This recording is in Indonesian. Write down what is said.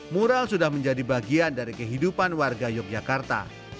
mural sudah menjadi bagian dari kehidupan warga yogyakarta